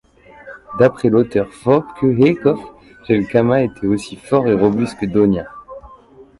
D'après l'auteur Wopke Eekhoff, Jelckama était aussi fort et robuste que Donia.